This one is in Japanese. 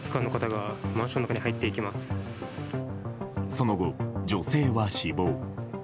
その後、女性は死亡。